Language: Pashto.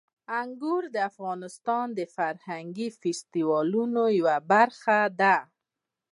انګور د افغانستان د فرهنګي فستیوالونو یوه برخه ده.